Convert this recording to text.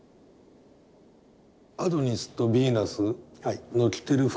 アドニスとヴィーナスの着てる服の色合いが。